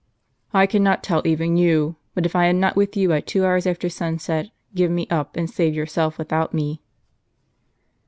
" I cannot tell even you. But if I am not with you by two hours after sunset, give me up, and save yourself with out me."